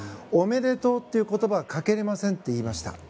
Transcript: おめでとうという言葉はかけれませんと言いました。